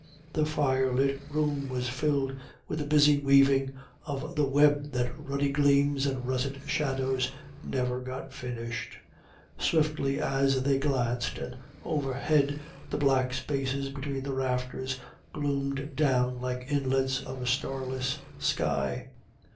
The fire lit room was filled with the busy weaving of the web that ruddy gleams and russet shadows never got finished, swiftly as they glanced, and overhead the black spaces between the rafters gloomed down like inlets of a starless sky.